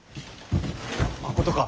まことか！